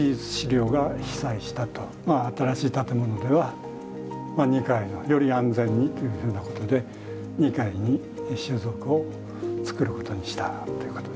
まあ新しい建物では２階のより安全にというふうなことで２階に収蔵庫を造ることにしたということです。